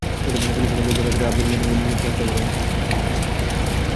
Police জানায়, বুধবার রাতের আবদুল মতিনকে নির্যাতন করে হত্যা করা হয়েছে।